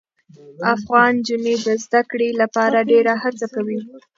افغان نجونې د زده کړې لپاره ډېره هڅه کوي.